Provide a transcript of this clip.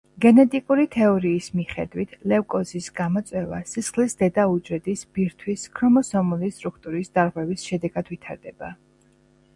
გენეტიკური თეორიის მიხედვით, ლევკოზის გამოწვევა სისხლის დედა უჯრედის ბირთვის ქრომოსომული სტრუქტურის დარღვევის შედეგად ვითარდება.